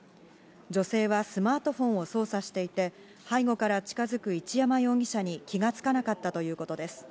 女性はスマートフォンを操作していて、背後から近づく一山容疑者に気がつかなかったということです。